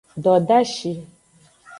Dodashi.